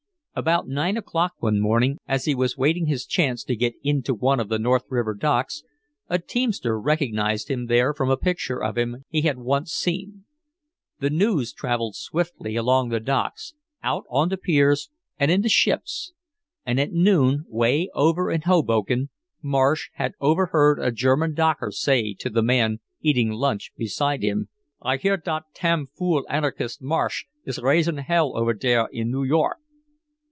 About nine o'clock one morning, as he was waiting his chance to get into one of the North River docks, a teamster recognized him there from a picture of him he had once seen. The news traveled swiftly along the docks, out onto piers and into ships. And at noon, way over in Hoboken, Marsh had overheard a German docker say to the man eating lunch beside him, "I hear dot tamn fool anarchist Marsh is raising hell ofer dere in New York."